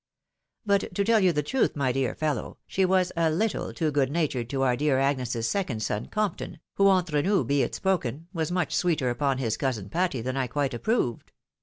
But to tell you the truth, my dear fellow, she was a little too good natured to our dear Agnes's second son Compton, who, entre nous be it spoken, was much sweeter upon his cousin Patty than I quite approved.